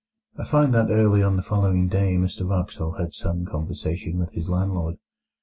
I find that early on the following day Mr Wraxall had some conversation with his landlord.